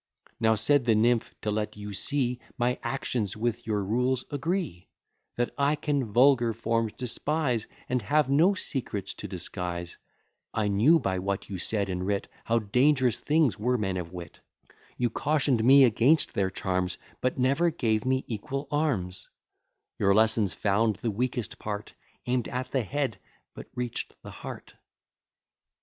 Now, said the nymph, to let you see My actions with your rules agree; That I can vulgar forms despise, And have no secrets to disguise; I knew, by what you said and writ, How dangerous things were men of wit; You caution'd me against their charms, But never gave me equal arms; Your lessons found the weakest part, Aim'd at the head, but reach'd the heart.